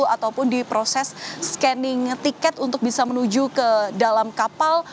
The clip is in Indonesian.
ataupun di proses scanning tiket untuk bisa menuju ke dalam kapal